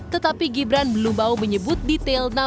tetapi gibran belum mau menyebut detailnya